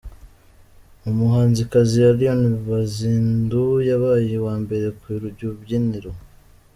Umuhanzikazi Allioni Buzindu yabaye uwa mbere ku rubyiniro.